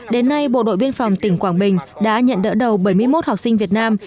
đến nay bộ đội biên phòng tỉnh quảng bình đã nhận đỡ đầu bảy mươi một học sinh việt nam